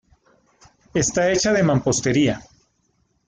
Está hecha de mampostería.